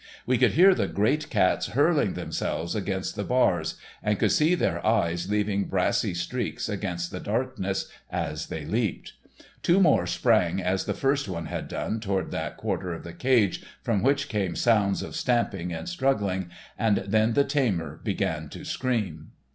We could hear the great cats hurling themselves against the bars, and could see their eyes leaving brassy streaks against the darkness as they leaped. Two more sprang as the first had done toward that quarter of the cage from which came sounds of stamping and struggling, and then the tamer began to scream.